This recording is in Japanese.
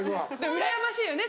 うらやましいよね